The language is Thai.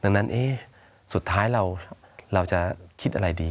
ดังนั้นสุดท้ายเราจะคิดอะไรดี